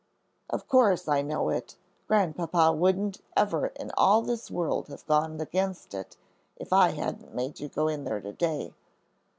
"Of course I know it. Grandpapa wouldn't ever in all this world have gone against it if I hadn't made you go in there to day."